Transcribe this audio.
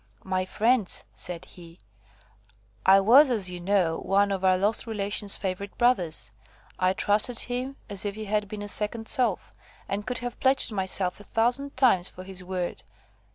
"My friends," said he, "I was, as you know, one of our lost relation's favourite brothers. I trusted him, as if he had been a second self, and would have pledged myself a thousand times for his word.